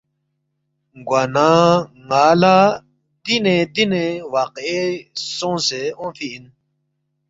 گوانہ ن٘ا لہ دینے دینے واقعے سونگسے اونگفی اِن